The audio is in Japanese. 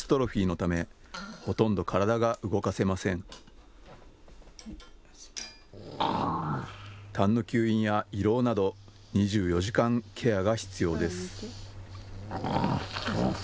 たんの吸引や胃ろうなど２４時間、ケアが必要です。